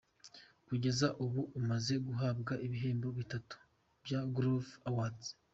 Kugeza ubu amaze guhabwa ibihembo bitatu bya Groove Awards.